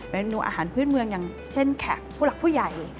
เป็นนูอาหารพื้นเมืองอย่างเช่นแขกผู้หลักผู้ใหญ่